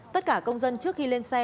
tất cả công dân trước khi lên xe